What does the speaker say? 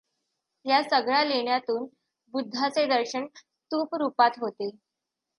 या सगळ्या लेण्यांतून बुद्धाचे दर्शन स्तूप रूपांत होते.